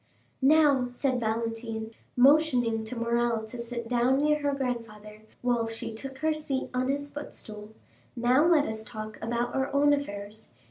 "Now," said Valentine, motioning to Morrel to sit down near her grandfather, while she took her seat on his footstool,—"now let us talk about our own affairs.